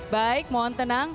baik mohon tenang